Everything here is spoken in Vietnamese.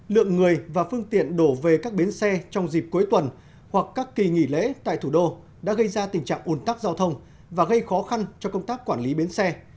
lượng người và phương tiện đổ về các bến xe trong dịp cuối tuần hoặc các kỳ nghỉ lễ tại thủ đô đã gây ra tình trạng ồn tắc giao thông và gây khó khăn cho công tác quản lý bến xe